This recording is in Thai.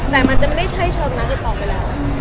แต่มันจะไม่ได้ใช่เชิงนั้นอีกต่อไปแล้ว